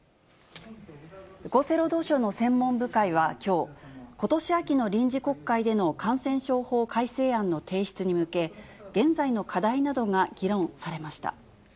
厚生労働省の専門部会はきょう、ことし秋の臨時国会での感染症法改正案の提出に向け、現在の課題などが議論されました。